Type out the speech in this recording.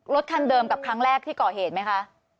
รถคันเดิมกับครั้งแรกที่ก่อเหตุไหมคะ